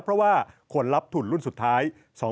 เพราะว่าคนรับทุนรุ่นสุดท้าย